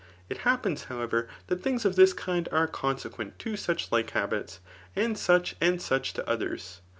It happens^ however, that things of this kind are consequent to such like habits, and such and such to others.